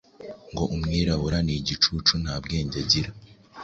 ngo umwirabura ni igicucu nta bwenge agira